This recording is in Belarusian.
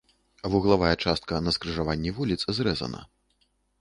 Вуглавая частка на скрыжаванні вуліц зрэзана.